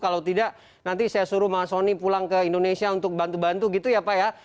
kalau tidak nanti saya suruh bang soni pulang ke indonesia untuk bantu bantu gitu ya pak ya